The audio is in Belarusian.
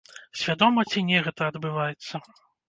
Свядома ці не гэта адбываецца?